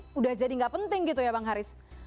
sudah jadi nggak penting gitu ya bang haris